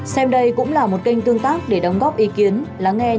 xem đây cũng là một kênh tương tác để đóng góp ý kiến